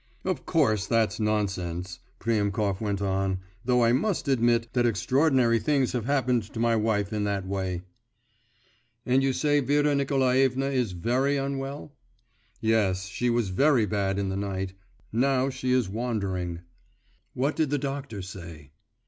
'Of course that's nonsense,' Priemkov went on; 'though I must admit that extraordinary things have happened to my wife in that way.' 'And you say Vera Nikolaevna is very unwell?' 'Yes: she was very bad in the night; now she is wandering.' 'What did the doctor say?